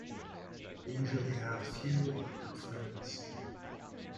They usually have few or no friends.